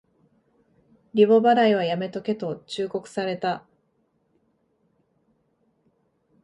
リボ払いはやめとけと忠告された